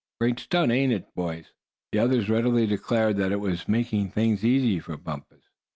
Great stunt, ain't it boys?" The others readily declared that it was making things easy for Bumpus.